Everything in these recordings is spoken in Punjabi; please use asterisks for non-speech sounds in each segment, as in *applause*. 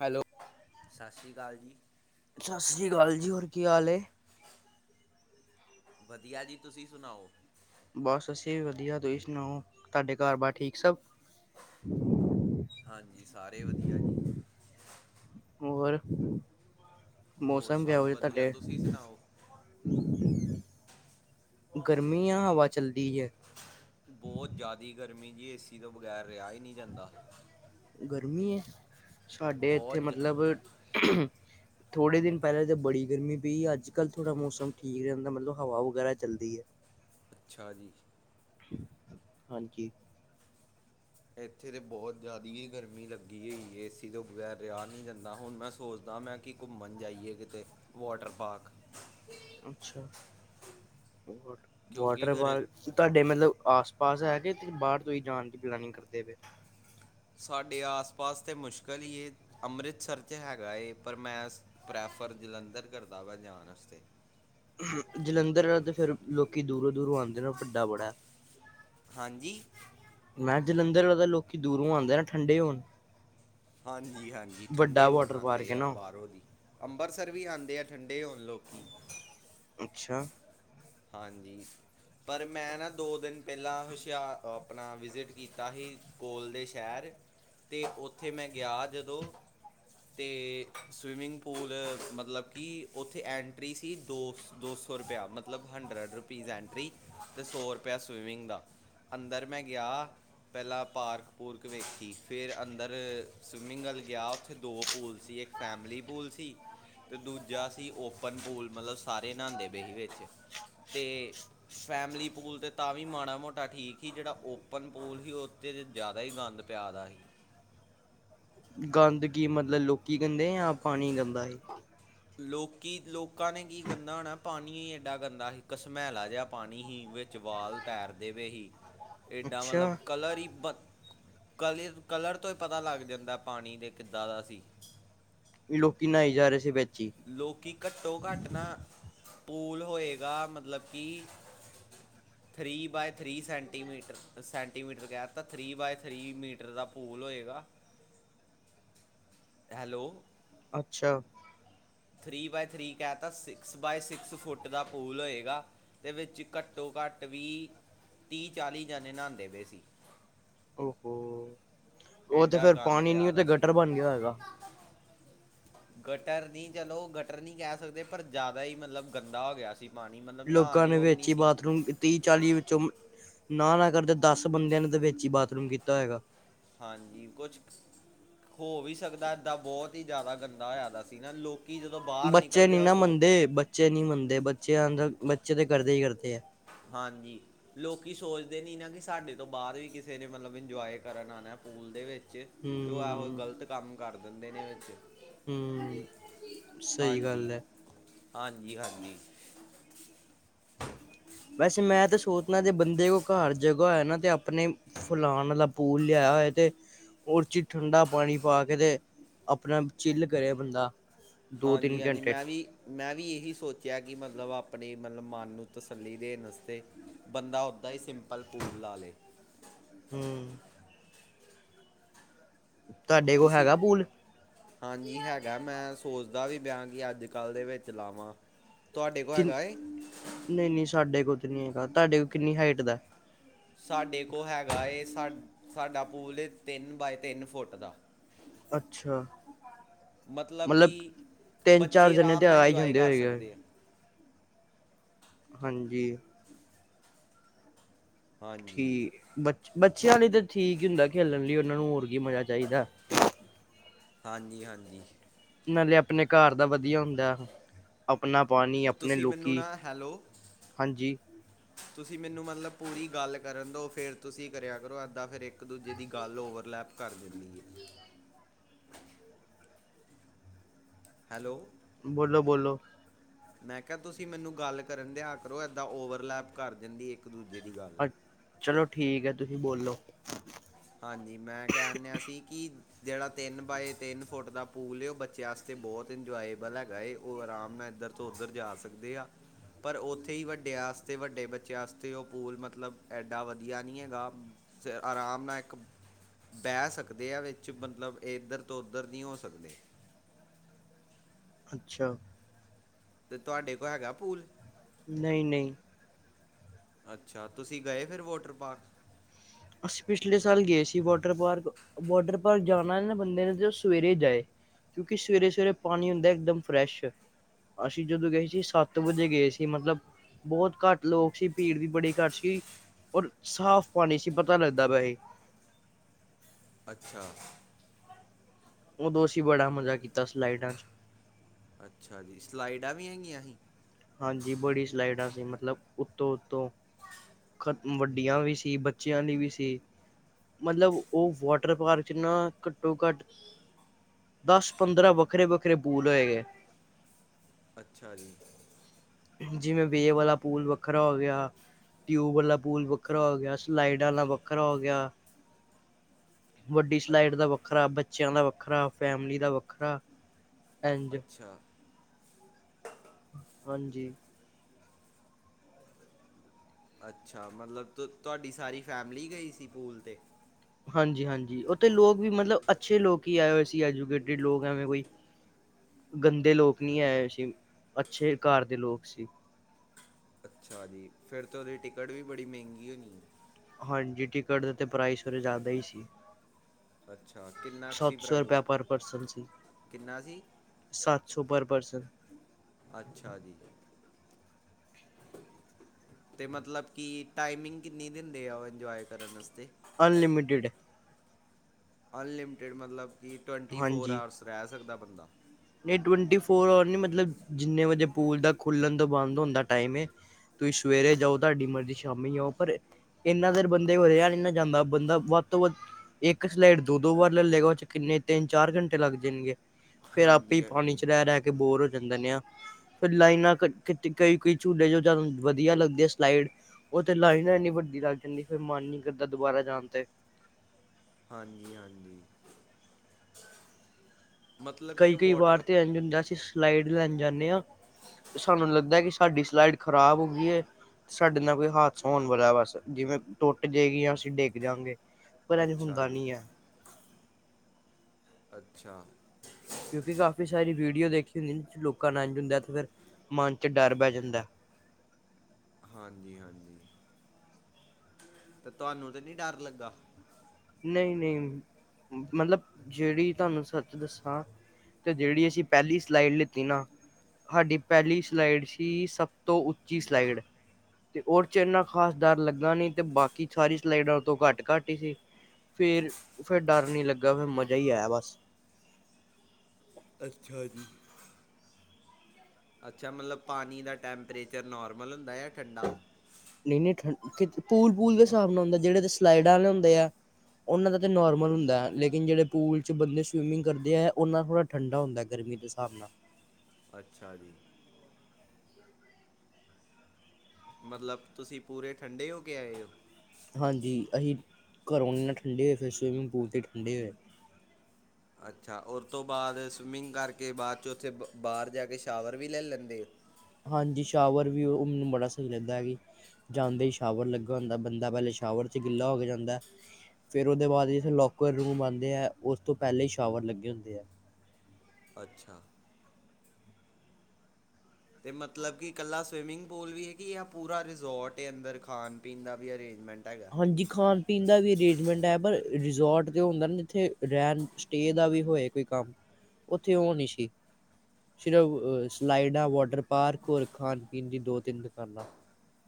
ਹੈਲੋ। ਸਤਿ ਸ਼੍ਰੀ ਅਕਾਲ ਜੀ। ਸਤਿ ਸ਼੍ਰੀ ਅਕਾਲ ਜੀ ਹੋਰ ਕੀ ਹਾਲ। ਵਧੀਆ ਜੀ ਤੁਸੀਂ ਸੁਣਾਓ। ਬਸ ਅਸੀਂ ਵੀ ਵਧੀਆ ਤੁਸੀਂ ਸੁਣਾਓ ਤੁਹਾਡੇ ਘਰ ਬਾਹਰ ਠੀਕ ਸਭ। ਹਾਂਜੀ ਸਾਰੇ ਵਧੀਆ ਜੀ। ਹੋਰ ਹੋਰ ਮੌਸਮ ਸਭ ਕਿਹੋ *unintelligible* ਵਧੀਆ ਤੁਹਾਡੇ ਤੁਸੀਂ ਸੁਣਾਓ ਗਰਮੀ ਆ ਹਵਾ ਚਲਦੀ ਏ। ਬਹੁਤ ਜ਼ਿਆਦਾ ਗਰਮੀ ਜੀ ਏ ਸੀ ਤੋਂ ਬਗੈਰ ਰਿਹਾ ਈ ਨਹੀਂ ਜਾਂਦਾ। ਗਰਮੀ ਐ ਸਾਡੇ ਇੱਥੇ ਬਹੁਤ ਜ- ਮਤਲਬ ਥੋੜੇ ਦਿਨ ਪਹਿਲੇ ਤਾਂ ਬੜੀ ਗਰਮੀ ਪਈ ਆ ਅੱਜ ਕੱਲ ਥੋੜਾ ਮੌਸਮ ਠੀਕ ਰਹਿੰਦਾ ਮਤਲਬ ਹਵਾ ਵਗੈਰਾ ਚੱਲਦੀ ਐ। ਅੱਛਾ ਜੀ। ਹਾਂਜੀ। ਇੱਥੇ ਤਾਂ ਬਹੁਤ ਜ਼ਿਆਦਾ ਗਰਮੀ ਲੱਗੀ ਹੋਈ ਏ ਸੀ ਤੋਂ ਬਗੈਰ ਰਿਹਾ ਨਹੀਂ ਜਾਂਦਾ ਹੁਣ ਮੈਂ ਸੋਚਦਾ ਮੈਂ ਕਿ ਘੁੰਮਣ ਜਾਈਏ ਕਿਤੇ ਵਾਟਰ ਪਾਰਕ। ਅੱਛਾ! ਕਿਉਂਕਿ ਵਾਟਰ ਫਿਰ ਪਾਰਕ' ਤੁਹਾਡੇ ਮਤਲਬ ਆਸ ਪਾਸ ਹੈਗੇ ਤੇ ਬਾਹਰ ਤੋਂ ਹੀ ਜਾਣ ਦੀ ਪਲੈਨਿੰਗ ਕਰਦੇ ਪਏ। ਸਾਡੇ ਆਸ ਪਾਸ ਤਾਂ ਮੁਸ਼ਕਿਲ ਈ ਏ! ਅੰਮ੍ਰਿਤਸਰ 'ਚ ਹੈਗਾ ਏ ਪਰ ਮੈਂ ਪ੍ਰੈਫਰ ਜਲੰਧਰ ਕਰਦਾ ਵਾ ਜਾਣ ਵਾਸਤੇ। ਜਲੰਧਰ ਤੇ ਫੇਰ ਲੋਕੀ ਦੂਰੋਂ ਦੂਰੋਂ ਆਉਂਦੇ ਨੇ ਉਹ ਵੱਡਾ ਬੜਾ। ਹਾਂਜੀ। ਮੈਂ ਕਿਹਾ ਜਲੰਧਰ ਤਾਂ ਲੋਕੀ ਦੂਰੋਂ ਆਉਂਦੇ ਨਾ ਠੰਡੇ ਹੋਣ ਹਾਂਜੀ, ਹਾਂਜੀ ਠੰਡੇ ਵੱਡਾ ਹੋਣ ਵਾਟਰ ਪਾਰਕ ਆਉਂਦੇ ਹੈ ਆ ਨਾ ਬਾਹਰੋਂ ਦੀ। ਅੰਮ੍ਰਿਤਸਰ ਵੀ ਆਉਂਦੇ ਆ ਠੰਡੇ ਹੋਣ ਲੋਕੀ। ਅੱਛਾ। ਹਾਂਜੀ। ਪਰ ਮੈਂ ਨਾ ਦੋ ਦਿਨ ਪਹਿਲਾਂ ਹੁਸ਼ਿਆਰ ਆਪਣਾ ਵਿਜ਼ਿਟ ਕੀਤਾ ਸੀ। ਕੋਲ ਦੇ ਸ਼ਹਿਰ ਅਤੇ ਉੱਥੇ ਮੈਂ ਗਿਆ ਜਦੋਂ ਅਤੇ ਸਵੀਮਿੰਗ ਪੂਲ ਮਤਲਬ ਕਿ ਉੱਥੇ ਐਂਟਰੀ ਸੀ ਦੋ ਦੋ ਸੌ ਰੁਪਇਆ ਮਤਲਬ ਹੰਡਰਡ ਰੁਪੀਜ਼ ਐਂਟਰੀ ਅਤੇ ਸੌ ਰੁਪਇਆ ਸਵੀਮਿੰਗ ਦਾ ਅੰਦਰ ਮੈਂ ਗਿਆ ਪਹਿਲਾਂ ਪਾਰਕ ਪੂਰਕ ਵੇਖੀ ਫਿਰ ਅੰਦਰ ਸਵਿਮਿੰਗ ਵੱਲ ਗਿਆ ਉੱਥੇ ਦੋ ਪੂਲ ਸੀ ਇੱਕ- ਫੈਮਿਲੀ ਪੂਲ ਸੀ ਅਤੇ ਦੂਜਾ ਸੀ ਓਪਨ ਪੂਲ ਮਤਲਬ ਸਾਰੇ ਨਹਾਉਂਦੇ ਪੇ ਹੀ ਵਿੱਚ ਅਤੇ ਫੈਮਿਲੀ ਪੂਲ ਤੇ ਤਾਂ ਵੀ ਮਾੜਾ ਮੋਟਾ ਠੀਕ ਸੀ। ਜਿਹੜਾ ਓਪਨ ਪੂਲ ਸੀ ਉਹਤੇ ਜ਼ਿਆਦਾ ਹੀ ਗੰਦ ਪਿਆਦਾ ਸੀ। ਗੰਦ ਕੀ ਮਤਲਬ ਲੋਕੀ ਗੰਦੇ ਹੀ ਜਾਂ ਪਾਣੀ ਗੰਦਾ ਸੀ। ਲੋਕੀ ਲੋਕਾਂ ਨੇ ਕੀ ਗੰਦਾ ਹੋਣਾ ਪਾਣੀ ਹੀ ਏਡਾ ਗੰਦਾ ਸੀ। ਘਸਮੈਲਾ ਜਿਹਾ ਪਾਣੀ ਸੀ ਵਿੱਚ ਚ ਵਾਲ ਤੈਰਦੇ ਪਏ ਸੀ ਏਡਾ ਮਤਲਬ ਅੱਛਾ ਕਲਰ ਹੀ ਬ ਕਲਰ ਕਲਰ ਤੋਂ ਹੀ ਪਤਾ ਲੱਗ ਜਾਂਦਾ ਪਾਣੀ ਦੇ ਕਿੱਦਾਂ ਦਾ ਸੀ। ਵੀ ਲੋਕੀ ਨਾਈ ਜਾ ਰਹੇ ਸੀ ਵਿੱਚ ਈ। ਲੋਕ ਘੱਟੋ, ਘੱਟ ਨਾ ਪੂਲ ਹੋਏਗਾ ਮਤਲਬ ਕਿ *unintelligible* three by three centimetre, centimetre ਕਹਿ ਤਾਂ ਥ੍ਰੀ ਬਾਏ ਥ੍ਰੀ ਮੀਟਰ ਦਾ ਪੂਲ ਹੋਏਗਾ। ਹੈਲੋ। ਅੱਛਾ। ਥ੍ਰਰੀ ਬਾਏ ਥ੍ਰਰੀ ਕਹਿ ਤਾ ਸਿਕਸ ਬਾਏ ਸਿਕਸ ਫੁੱਟ ਦਾ ਪੂਲ ਹੋਏਗਾ। ਦੇ ਵਿੱਚ ਘੱਟੋ, ਘੱਟ ਵੀ ਤੀਹ ਚਾਲੀ ਜਣੇ ਨਹਾਉਂਦੇ ਪਏ ਸੀ। ਉਹ ਤੇ ਐਡਾ ਫੇਿਰ ਗੰਦ ਪਾਣੀ ਨੀ ਪਿਆ ਉਹ ਦਾ ਤੇ ਸੀ ਗਟਰ ਬਣ ਗਿਆ ਹੋਏਗਾ। ਗਟਰ ਨਹੀਂ ਚਲੋ ਗਟਰ ਨਹੀਂ ਕਹਿ ਸਕਦੇ ਪਰ ਜ਼ਿਆਦਾ ਹੀ ਮਤਲਬ ਗੰਦਾ ਹੋ ਗਿਆ ਸੀ। ਪਾਣੀ ਮਤਲਬ ਨਹਾਨ ਲੋਕਾਂ ਨੇ ਯੋਗ ਨਹੀਂ ਵਿੱਚ ਹੀ ਸੀ। ਬਾਥਰੂਮ ਤੀਹ ਚਾਲੀ ਵਿੱਚੋਂ ਨਾ-ਨਾ ਕਰਦੇ ਦਸ ਬੰਦਿਆਂ ਨੇ ਦੇ ਵਿੱਚ ਹੀ ਬਾਥਰੂਮ ਕੀਤਾ ਹੋਏਗਾ। ਹਾਂਜੀ ਕੁਛ ਹੋ ਵੀ ਸਕਦਾ ਏਦਾਂ ਬਹੁਤ ਹੀ ਜਾਦਾ ਗੰਦਾ ਹੋਇਆ ਦਾ ਸੀ ਨਾ ਲੋਕੀ ਜਦੋਂ ਬਾਹਰ ਬੱਚੇ ਨਿਕਲਦੇ ਨੀ ਆ ਉਹ ਨਾ ਸੋ ਮੰਨਦੇ, ਬੱਚੇ ਨੀ ਮੰਨਦੇ ਬੱਚੇ ਅੰਦਰ ਬੱਚੇ ਤਾਂ ਕਰਦੇ ਹੀ ਕਰਦੇ ਹੈ। ਹਾਂਜੀ। ਲੋਕੀ ਸੋਚਦੇ ਨੀ ਨਾ ਕਿ ਸਾਡੇ ਤੋਂ ਬਾਦ ਵੀ ਕਿਸੇ ਨੇ ਮਤਲਬ ਇੰਜੋਏ ਕਰਨ ਆਣਾ ਪੂਲ ਦੇ ਵਿ ਤੇ ਉਹ ਇਹੋ ਹਮ ਗ਼ਲਤ ਕੰਮ ਕਰ ਦਿੰਦੇ ਨੇ ਵਿੱਚ। ਹਮ ਸਹੀ ਗੱਲ ਹੈ ਹਾਂਜੀ-ਹਾਂਜੀ, ਹਾਂਜੀ। ਵੈਸੇ ਮੈਂ ਤਾਂ ਸੋਚਦਾ ਜੇ ਬੰਦੇ ਕੋਲ ਘਾਰ ਜਗ੍ਹਾ ਹੈ ਨਾ ਤੇ ਆਪਣੇ ਫਲਾਨ ਵਾਲਾ ਪੂਲ ਲਿਆਆ ਹੋਏ ਤੇ ਉਹ ਚ ਠੰਡਾ ਪਾਣੀ ਪਾ ਕੇ ਤੇ ਆਪਣਾ ਚੀਲ ਕਰੇ ਬੰਦਾ। ਦੋ ਤਿੰਨ ਹਾਂਜੀ-ਹਾਂਜੀ ਘੰਟੇ ਮੈਂ ਵੀ ਮੈਂ ਵੀ ਇਹੀ ਸੋਚਿਆ ਕਿ ਮਤਲਬ ਆਪਣੇ ਮਤਲਬ ਮਨ ਨੂੰ ਤਸੱਲੀ ਦੇਣ ਆਸਤੇ। ਬੰਦਾ ਉੱਦਾ ਹੀ ਸਿੰਪਲ ਪੂਲ ਲਾ ਲੈ। ਹੂੰ ਤੁਹਾਡੇ ਕੋਲ ਤੁਸੀਂ ਹੈਗਾ ਪੂਲ। ਹਾਂਜੀ ਹੈਗਾ ਮੈਂ ਸੋਚਦਾ ਵੀ ਪਿਆ ਕਿ ਅੱਜ ਕੱਲ੍ਹ ਦੇ ਵਿੱਚ ਲਾਵਾਂ। ਤੁਹਾਡੇ ਕੋਲ ਹੈਗਾ ਏ। ਨਈਂ-ਨਈਂ ਸਾਡੇ ਕੋਲ ਤਾਂ ਨਹੀਂ ਹੈਗਾ ਤੁਹਾਡੇ ਕੋਲ ਕਿੰਨੀ ਹਾਈਟ ਦਾ। ਸਾਡੇ ਕੋਲ ਹੈਗਾ ਏ ਸਾ ਸਾਡਾ ਪੂਲ ਤਿੰਨ ਬਾਏ ਤਿੰਨ ਫੁੱਟ ਦਾ। ਅੱਛਾ ਮਤਲਬ ਕਿ ਮਲਬ ਤਿੰਨ, ਚਾਰ ਬੱਚੇ ਜਣੇ ਆਰਾਮ ਤੇ ਨਾਲ ਆ ਹੀ ਇੰਜੋਏ ਜਾਂਦੇ ਕਰ ਹੋਏਗੇ। ਸਕਦੇ ਆ ਹਾਂਜੀ। ਹਾਂਜੀ ਠੀਕ ਬ ਬੱਚਿਆਂ ਲਈ ਤਾਂ ਠੀਕ ਹੀ ਹੁੰਦਾ ਖੇਲਣ ਲਈ ਉਹਨਾ ਨੂੰ ਹੋਰ ਕੀ ਮਜ਼ਾ ਚਾਹੀਦਾ। ਹਾਂਜੀ-ਹਾਂਜੀ। ਨਾਲੇ ਆਪਣੇ ਘਰ ਦਾ ਵਧੀਆ ਹੁੰ ਦਾ ਆਪਣਾ ਪਾਣੀ ਉਹ ਆਪਣੇ ਤੁਸੀਂ ਲੋਕੀ ਹਾਂਜੀ। ਹ। ਤੁਸੀਂ ਮੈਨੂੰ ਮਤਲਬ ਪੂਰੀ ਗੱਲ ਕਰਨ ਦੋ ਫਿਰ ਤੁਸੀਂ ਕਰਿਆ ਕਰੋ ਇੱਦਾਂ ਫਿਰ ਇੱਕ ਦੂਜੇ ਦੀ ਗੱਲ ਓਵਰਲੈਪ ਘਰ ਜਾਂਦੀ ਹੈ। ਹੈਲੋ। ਬੋਲੋ-ਬੋਲੋ। ਮੈਂ ਕਿਹਾ ਤੁਸੀਂ ਮੈਨੂੰ ਗੱਲ ਕਰਨ ਦਿਆਂ ਕਰੋ ਇੱਦਾਂ ਓਵਰਲੈਪ ਕਰ ਦਿੰਦੀ ਇੱਕ ਦੂਜੇ ਦੀ ਗੱਲ। ਅ ਚਲੋ ਠੀਕ ਹੈ ਤੁਸੀਂ ਬੋਲੋ। ਹਾਂਜੀ, ਮੈਂ ਕਹਿਣ ਨਿਆ ਸੀ ਕਿ ਜਿਹੜਾ ਤਿੰਨ ਬਾਏ ਤਿੰਨ ਫੁੱਟ ਦਾ ਪੂਲ ਏ ਉਹ ਬੱਚਿਆਂ ਆਸਰੇ ਬਹੁਤ ਇੰਜੋਏਬਲ ਹੈਗਾ ਏ ਉਹ ਆਰਾਮ ਨਾਲ ਇੱਧਰ ਤੋਂ ਉੱਧਰ ਜਾ ਸਕਦੇ ਆ। ਪਰ ਉੱਥੇ ਹੀ ਵੱਡਿਆਂ ਆਸਤੇ ਵੱਡੇ ਬੱਚਿਆ ਆਸਤੇ ਸਤੇ ਉਹ ਪੂਲ ਮਤਲਬ ਐਡਾ ਵਧੀਆ ਨੀ ਹੈਗਾ। ਸੇ ਆਰਾਮ ਮੈਂ ਇੱਕ ਬਹਿ ਸਕਦੇ ਆ ਵਿੱਚ ਮਤਲਬ ਇੱਧਰ ਤੋਂ ਉੱਧਰ ਨੀ ਹੋ ਸਕਦੇ। ਅੱਛਾ। ਤੇ ਤੁਹਾਡੇ ਕੋਲ ਹੈਗਾ ਪੂਲ। ਨਈਂ-ਨਈਂ ਅੱਛਾ, ਤੁਸੀਂ ਗਏ ਫਿਰ ਵੋਟਰ ਪਾਰਕ। ਅਸੀਂ ਪਿਛਲੇ ਸਾਲ ਗਏ ਸੀ ਵਾਟਰ ਪਾਰਕ, ਵਾਟਰ ਪਾਰਕ ਜਾਣਾ ਨਾ ਬੰਦੇ ਨੇ ਸਵੇਰੇ ਜਾਏ। ਕਿਉਂਕਿ ਸਵੇਰੇ-ਸਵੇਰੇ ਪਾਣੀ ਹੁੰਦਾ ਇੱਕਦਮ ਫਰੈਸ਼। ਅਸੀਂ ਜਦੋਂ ਗਏ ਸੀ ਸੱਤ ਵਜੇ ਗਏ ਸੀ ਮਤਲਬ ਬਹੁਤ ਘੱਟ ਲੋਕ ਸੀ ਭੀੜ ਵੀ ਬੜੀ ਘੱਟ ਸੀ, ਔਰ ਸਾਫ਼ ਪਾਣੀ ਸੀ। *unintelligible* ਪਿਆ ਹੀ। ਅੱਛਾ। ਉਦੋ ਅਸੀਂ ਬੜਾ ਮਜਾ ਕੀਤਾ ਸਲਾਈਡਾਂ ਚ। ਅੱਛਾ ਜੀ, ਸਲਾਈਡਾਂ ਵੀ ਹੈਗੀਆਂ ਹੀ। ਹਾਂਜੀ, ਬੜੀ ਸਲਾਈਡਾਂ ਸੀ ਮਤਲਬ ਉੱਤੋਂ-ਉੱਤੋਂ ਖ ਵੱਡੀਆਂ ਵੀ ਸੀ ਬੱਚਿਆਂ ਦੀ ਵੀ ਸੀ। ਮਤਲਬ ਉਹ ਵਾਟਰ-ਪਾਰਕ ਚ ਨਾ ਘੱਟੋ-ਘੱਟ ਦਸ-ਪੰਦਰਾਂ ਵੱਖਰੇ-ਵੱਖਰੇ ਪੂਲ ਹੋਏ ਗਏ। ਅੱਛਾ ਜੀ। ਜਿਵੇਂ ਵੇ ਵਾਲਾ ਪੂਲ ਵੱਖਰਾ ਹੋ ਗਿਆ। ਟਿਊਬ ਵਾਲਾ ਪੂਲ ਵੱਖਰਾ ਹੋ ਗਿਆ, ਸਲਾਈਡ ਵਾਲਾ ਵੱਖਰਾ ਹੋ ਗਿਆ। ਵੱਡੀ ਅੱ ਸਲਾਈਡ ਦਾ ਵੱਖਰਾ, ਬੱਚਿਆਂ ਦਾ ਵੱਖਰਾ, ਫੈਮਲੀ ਦਾ ਵੱਖਰਾ। ਇੰਝ ਅੱਛਾ। ਹਾਂਜੀ। ਅੱਛਾ, ਮਤਲਬ ਤੋ ਤੁਹਾਡੀ ਸਾਰੀ ਫੈਮਲੀ ਗਈ ਸੀ, ਪੂਲ ਤੇ। ਹਾਂਜੀ-ਹਾਂਜੀ, ਉੱਥੇ ਲੋਕ ਵੀ ਮਤਲਬ ਅੱਛੇ ਲੋਕ ਹੀ ਆਏ ਹੋਏ ਸੀ ਐਜੂਕੇਟਿਡ ਲੋਕ ਐਵੇਂ ਕੋਈ ਗੰਦੇ ਲੋਕ ਨਈਂ ਆਏ ਹੋਏ ਸੀ, ਅੱਛੇ ਘਰ ਦੇ ਲੋਕ ਸੀ। ਅੱਛਾ ਜੀ ਫਿਰ ਤੇ ਉਹਦੀ ਟਿਕਟ ਵੀ ਬੜੀ ਮਹਿੰਗੀ ਹੋਣੀ ਐ। ਹਾਂਜੀ ਟਿਕਟ ਦੇ ਤੇ ਪ੍ਰਾਈਸ ਰੇ ਜ਼ਿਆਦਾ ਹੀ ਸੀ। ਅੱਛਾ ਕਿੰਨਾ ਕੁ ਸੀ ਸੱਤ ਸੌ ਰੁਪਏ ਪ੍ਰਾਈਜ਼ ਪਰ ਪਰਸਣ ਸੀ। ਕਿੰਨਾ ਸੀ ਸੱਤ ਸੌ ਪਰ ਪਰਸਨ। ਅੱਛਾ ਜੀ। ਤੇ ਮਤਲਬ ਕਿ ਟਾਈਮਿੰਗ ਕਿੰਨੀ ਦਿੰਦੇ ਆ ਉਹ ਇੰਜੋਏ ਕਰਨ ਵਾਸਤੇ। ਅਨਲਿਮੀਟਿਡ। ਅਨਲਿਮਿਟਿਡ ਮਤਲਬ ਕਿ ਟਵੈਂਟੀ ਫੋਰ ਆਰਸ ਰਹਿ ਸਕਦਾ ਬੰਦਾ। ਨਈ ਟਵੈਟੀ ਫੋਰ ਆਰ ਨਈ ਮਤਲਬ ਜਿੰਨੇ ਵਜੇ ਪੂਲ ਦਾ ਖੁੱਲਣ ਤੋਂ ਬੰਦ ਹੋਣ ਦਾ ਟਾਈਮ ਐ। ਤੁਸੀਂ ਸਵੇਰੇ ਜਾਓ ਤੁਹਾਡੀ ਮਰਜ਼ੀ ਸ਼ਾਮੀ ਆਓ। ਪਰ ਇੰਨਾ ਦੇਰ ਬੰਦੇ ਤੋਂ ਰਿਹਾ ਨੀ ਨਾ ਜਾਂਦਾ, ਬੰਦਾ ਵੱਧ ਤੋਂ ਵੱਧ ਇੱਕ ਸਲਾਈਡ ਦੋ-ਦੋ ਵਾਰ ਲਲ ਲੇਗਾ। ਉਹ ਚ ਕਿੰਨੇ ਤਿੰਨ-ਚਾਰ ਘੰਟੇ ਲੱਗ ਜਾਣਗੇ। ਹਾਂਜੀ ਹਾਂਜੀ। ਲੈ ਲੈ ਕੇ ਬੋਰ ਹੋ ਜਾਂਦੇ ਨੇ ਆ। ਫਿਰ ਲਾਈਨਾਂ ਕਤ ਕਈ ਕਈ ਝੂਲੇ ਜੋ ਵਧੀਆ ਲੱਗਦੇ ਆ ਸਲਾਈਡ। ਉਹ ਤੇ ਲਾਈਨ ਐੰਨੀ ਵੱਡੀ ਲੱਗ ਜਾਂਦੀ ਫੇਰ ਮਨ ਨੀ ਕਰਦਾ ਦੁਬਾਰਾ ਜਾਣ ਤੇ। ਹਾਂਜੀ ਹਾਂਜੀ। ਮਤਲਬ ਕਿ ਕਈ ਕਈ ਵਾਰ ਵਾਟਰ ਤੇ ਇੰਝ ਹੁੰਦਾ ਅਸੀਂ ਸਲਾਈਡ ਲੈਣ ਜਾਂਣੇ ਆਂ। ਸਾਨੂੰ ਲੱਗਦਾ ਕਿ ਸਾਡੀ ਸਲਾਈਟ ਖ਼ਰਾਬ ਹੋ ਗਈ ਐ। ਸਾਡੇ ਨਾਲ ਕੋਈ ਹਾਦਸਾ ਹੋਣ ਵਾਲਾ ਬਸ ਜਿਵੇਂ ਟੁੱਟ ਜਾਏਗੀ ਜਾਂ ਅਸੀਂ ਡਿੱਗ ਜਾਂਗੇ। ਪਰ ਇੰਝ ਅੱਛਾ ਹੁੰਦਾ ਜੀ, ਨੀ ਹੈ ਅੱਛਾ। ਕਿਉਂਕਿ ਕਾਫੀ ਸਾਰੀ ਵੀਡੀਓ ਦੇਖੀ ਹੁੰਦੀ ਜੋ ਲੋਕਾਂ ਨਾਲ ਹੁੰਦਾ ਤੇ ਫਿਰ ਮਨ ਚ ਡਰ ਬਹਿ ਜਾਂਦਾ। ਹਾਂਜੀ ਹਾਂਜੀ ਤੇ ਤੁਹਾਨੂੰ ਤੇ ਨੀ ਡਰ ਲੱਗਾ। ਨਈ ਨਈਂ, ਮਤਲਬ ਜਿਹੜੀ ਤੁਹਾਨੂੰ ਸੱਚ ਦੱਸਾਂ ਤੇ ਜਿਹੜੀ ਅਸੀਂ ਪਹਿਲੀ ਸਲਾਈਡ ਲਿੱਤੀ ਨਾ ਹਾਡੀ ਪਹਿਲੀ ਸਲਾਈਡ ਸੀ, ਸਭ ਤੋਂ ਉੱਚੀ ਸਲਾਈਡ। ਤੇ ਉਹ 'ਚ ਇੰਨਾ ਖਾਸ ਡਰ ਲੱਗਾ ਨਹੀਂ ਅਤੇ ਬਾਕੀ ਸਾਰੀ ਸਲਾਈਡਾਂ ਉਹ ਤੋਂ ਘੱਟ- ਘੱਟ ਹੀ ਸੀ। ਫੇਰ, ਫੇਰ ਡਰ ਨੀ ਲੱਗਾ ਫੇਰ ਮਜ਼ਾ ਹੀ ਆਇਆ ਬਸ। ਅੱਛਾ- ਅੱਛਾ। ਅੱਛਾ ਮਤਲਬ ਪਾਣੀ ਦਾ ਟੈਂਪਰੇਚਰ ਨੋਰਮਲ ਹੁੰਦਾ ਜਾਂ ਠੰਡਾ। ਨਹੀਂ ਠ ਪੂਲ- ਪੂਲ ਦੇ ਹਿਸਾਬ ਨਾ ਹੁੰਦਾ ਜਿਹੜੇ ਉੱਥੇ ਸਲਾਈਡਾਂ ਵਾਲੇ ਹੁੰਦੇ ਆ। ਉਹਨਾਂ ਦਾ ਤਾਂ ਨੋਰਮਲ ਹੁੰਦਾ ਹੈ। ਲੇਕਿਨ ਜਿਹੜੇ ਪੂਲ 'ਚ ਬੰਦੇ ਸਵੀਮਿੰਗ ਕਰਦੇ ਹੈ। ਉਹਨਾਂ ਦਾ ਥੋੜਾ ਠੰਡਾ ਹੁੰਦਾ ਗਰਮੀ ਦੇ ਹਿਸਾਬ ਨਾਲ। ਅੱਛਾ ਜੀ। ਮਤਲਬ ਤੁਸੀਂ ਪੂਰੇ ਠੰਡੇ ਹੋ ਕੇ ਆਏ ਹੋ। ਹਾਂਜੀ ਅਸੀਂ ਘਰੋਂ ਨਹੀ ਨਾ ਠੰਡੇ ਹੋਏ ਫੇਰ ਸਵੀਮਿੰਗ ਪੂਲ ਤੇ ਠੰਡੇ ਹੋਏ। ਅੱਛਾ ਉਹ ਤੋਂ ਬਾਅਦ ਸਵੀਮਿੰਗ ਕਰਕੇ ਬਾਅਦ 'ਚ ਉੱਥੇ ਬ ਬਾਹਰ ਜਾ ਕੇ ਸ਼ਾਵਰ ਵੀ ਲੈ ਲੈਂਦੇ ਹੋ। ਹਾਂਜੀ ਸ਼ਾਵਰ ਵੀ ਉਹ ਮੈਨੂੰ ਬੜਾ ਸਹੀ ਲੱਗਦਾ ਇਹ ਵੀ। ਜਾਂਦੇ ਹੀ ਸ਼ਾਵਰ ਲੱਗਾ ਹੁੰਦਾ, ਬੰਦਾ ਪਹਿਲਾਂ ਸ਼ਾਵਰ 'ਚ ਗਿੱਲਾ ਹੋ ਕੇ ਜਾਂਦਾ। ਫੇਰ ਉਹਦੇ ਬਾਅਦ ਜਿੱਥੇ ਲੋਕੌਰ ਰੂਮ ਆਉਂਦੇ ਹੈ। ਉਸ ਤੋਂ ਪਹਿਲੇ ਹੀ ਸ਼ਾਵਰ ਲੱਗੇ ਹੁੰਦੇ ਹੈ। ਅੱਛਾ। ਤੇ ਮਤਲਬ ਕੀ ਇਕੱਲਾ ਸਵੀਮਿੰਗ ਪੂਲ ਵੀ ਹੈਗੀ ਆ ਪੂਰਾ ਰਿਜੋਰਟ ਅੰਦਰ ਖਾਣ- ਪੀਣ ਦਾ ਵੀ ਅਰੇਂਜਮੈਂਟ ਹੈਗਾ। ਹਾਂਜੀ ਖਾਣ- ਪੀਣ ਦਾ ਵੀ ਅਰੇਂਜਮੈਂਟ ਹੈ। ਪਰ ਰਿਜ਼ੋਰਟ ਜੋ ਹੁੰਦਾ ਨਾ ਜਿੱਥੇ ਰਹਿਣ। ਸਟੇਅ ਦਾ ਵੀ ਹੋਏ ਕੋਈ ਕੰਮ ਉੱਥੇ ਉਹ ਨਹੀਂ ਸੀ। ਸਿਰਫ ਸਲਾਈਡਾਂ, ਵਾਟਰ ਪਾਰਕ, ਹੋਰ ਖਾਣ- ਪੀਣ ਦੀ ਦੋ- ਤਿੰਨ ਦੁਕਾਨਾਂ।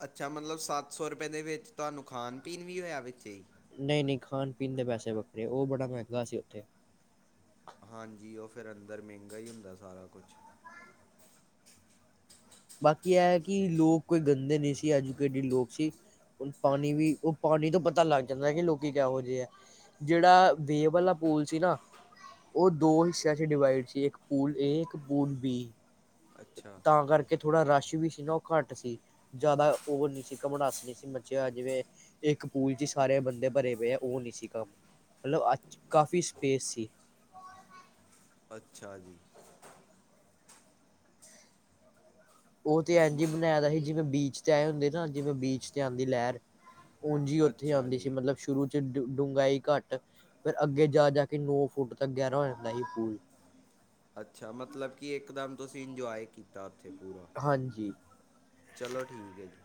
ਅੱਛਾ ਮਤਲਬ ਸੱਤ ਸੌ ਰੁਪਏ ਦੇ ਵਿੱਚ ਤੁਹਾਨੂੰ ਖਾਣ ਪੀਣ ਵੀ ਹੋਇਆ ਵਿੱਚ ਹੀ। ਨਹੀਂ- ਨਹੀਂ ਖਾਣ- ਪੀਣ ਦੇ ਪੈਸੇ ਵੱਖਰੇ ਉਹ ਬੜਾ ਮਹਿੰਗਾ ਸੀ ਉੱਥੇ। ਹਾਂਜੀ ਉਹ ਫੇਰ ਅੰਦਰ ਮਹਿੰਗਾ ਹੀ ਹੁੰਦਾ ਸਾਰਾ ਕੁਛ। ਬਾਕੀ ਇਹ ਕਿ ਲੋਕ ਕੋਈ ਗੰਦੇ ਨਹੀਂ ਸੀ। ਐਜੂਕੇਟਿਡ ਲੋਕ ਸੀ। ਹੁਣ ਪਾਣੀ ਵੀ ਉਹ ਪਾਣੀ ਤੋਂ ਪਤਾ ਲੱਗ ਜਾਂਦਾ ਕਿ ਲੋਕੀ ਕਿਹੋ ਜਿਹੇ ਹੈ। ਜਿਹੜਾ ਵੇਬ ਵਾਲਾ ਪੂਲ ਸੀ ਨਾ। ਉਹ ਦੋ ਹਿੱਸਿਆਂ 'ਚ ਡਿਵਾਈਡ ਸੀ। ਇੱਕ ਪੂਲ ਏ, ਇੱਕ ਪੂਲ ਬੀ। ਅੱਛਾ। ਤਾਂ ਕਰਕੇ ਥੋੜਾ ਰਸ਼ ਵੀ ਸੀ ਨਾ ਉਹ ਘੱਟ ਸੀ। ਜ਼ਿਆਦਾ ਉਵਰ ਨਹੀਂ ਸੀ ਘਮਣਾਸ ਨੀ ਸੀ ਮੱਚਿਆ ਜਿਵੇਂ ਇੱਕ ਪੂਲ ਚ ਸਾਰੇ ਬੰਦੇ ਭਰੇ ਪਏ ਆ ਉਹ ਨਹੀਂ ਸੀ ਕੰਮ, ਮਤਲਬ ਅੱ ਕਾਫ਼ੀ ਸਪੇਸ ਸੀ। ਅੱਛਾ ਜੀ। ਉਹ ਤੇ ਅਵੇ ਜੀ ਬਣਾਇਆ ਦਾ ਸੀ ਜਿਵੇਂ ਬੀਚ ਤੇ ਆਏ ਹੁੰਦੇ ਨਾ ਜਿਵੇਂ ਬੀਚ ਤੇ ਆਉਂਦੀ ਲਹਿਰ। ਉਂਜੀ ਉੱਥੇ ਅੱਛਾ ਆਉਂਦੀ ਸੀ ਜੀ ਮਤਲਬ। ਸ਼ੁਰੂ ਚ ਡ ਡੂੰਘਾਈ ਘੱਟ ਫੇਰ ਅੱਗੇ ਜਾ- ਜਾ ਕੇ ਨੌ ਫੁੱਟ ਤੱਕ ਗਹਿਰਾ ਹੋ ਜਾਂਦਾ ਸੀ ਪੂਲ। ਅੱਛਾ ਮਤਲਬ ਕਿ ਇੱਕਦਮ ਤੁਸੀਂ ਇੰਜੋਏ ਕੀਤਾ ਉੱਥੇ ਪੂਰਾ। ਹਾਂਜੀ। ਚਲੋ ਠੀਕ ਹੈ ਜੀ।